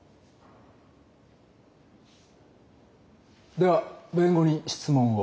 では弁護人質問を。